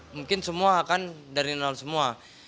mungkin semua akan dari nol semua